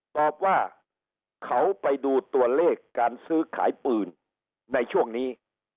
ตอบว่าเขาไปดูตัวเลขการซื้อขายปืนในช่วงนี้